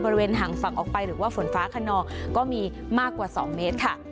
บริเวณห่างฝั่งออกไปหรือว่าฝนฟ้าขนองก็มีมากกว่า๒เมตรค่ะ